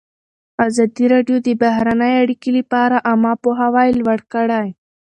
ازادي راډیو د بهرنۍ اړیکې لپاره عامه پوهاوي لوړ کړی.